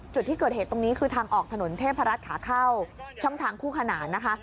จุดที่เกิดเหตุตรงนี้คือทางออกถนนเทพรัฐขาเข้าช่องทางคู่ขนานนะคะ